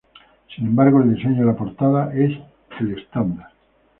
Sin embargo, el diseño de la portada es el estándar.